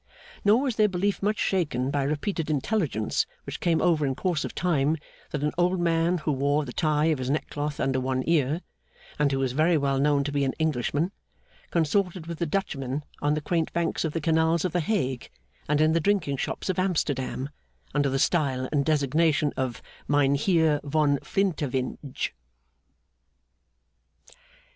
Nor was their belief much shaken by repeated intelligence which came over in course of time, that an old man who wore the tie of his neckcloth under one ear, and who was very well known to be an Englishman, consorted with the Dutchmen on the quaint banks of the canals of the Hague and in the drinking shops of Amsterdam, under the style and designation of Mynheer von Flyntevynge.